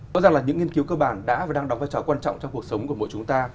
rõ ràng là những nghiên cứu cơ bản đã và đang đóng vai trò quan trọng trong cuộc sống của mỗi chúng ta